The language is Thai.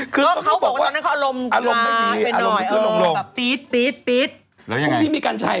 คือเขาบอกว่าเค้าเอาอารมณ์ล้างเป็นหน่อย